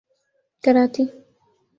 کراتی